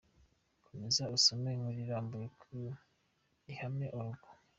Komeza usome inkuru irambuye ku Ihame.org